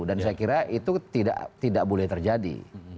dan saya kira itu tidak boleh terjadi